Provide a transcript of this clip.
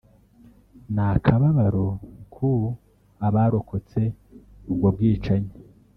n'akababaro ku abarokotse ubwo bwicanyi